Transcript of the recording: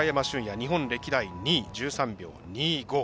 日本歴代２位、１３秒２５。